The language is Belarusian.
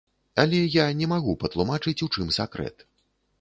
Але я не магу патлумачыць, у чым сакрэт.